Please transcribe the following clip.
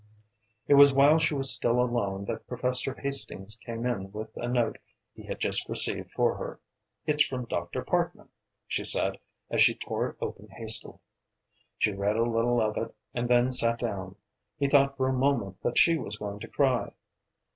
It was while she was still alone that Professor Hastings came in with a note he had just received for her. "It's from Dr. Parkman," she said as she tore it open hastily. She read a little of it and then sat down. He thought for a moment that she was going to cry.